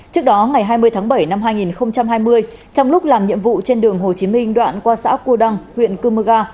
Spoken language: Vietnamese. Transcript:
trước đó ngày hai mươi tháng bảy năm hai nghìn hai mươi trong lúc làm nhiệm vụ trên đường hồ chí minh đoạn qua xã cua đăng huyện cư mơ ga